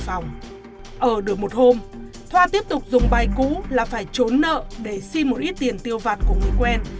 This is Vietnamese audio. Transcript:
ở được một hôm thoa tiếp tục dùng bài cũ là phải trốn nợ để xin một ít tiền tiêu vạt của người quen